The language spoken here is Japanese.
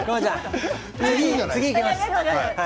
次にいきます。